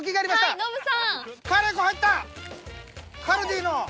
「カルディ」の。